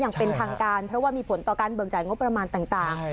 อย่างเป็นทางการเพราะว่ามีผลต่อการเบิกจ่ายงบประมาณต่าง